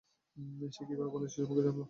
সে কীভাবে বাংলাদেশী সম্পর্কে জানলো?